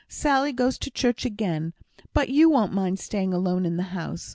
"Sally goes to church again, but you won't mind staying alone in the house.